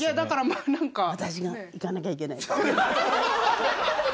私が行かなきゃいけない。